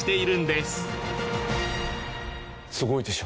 すごいでしょ？